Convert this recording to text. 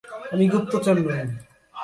আমি গুপ্তচর নই!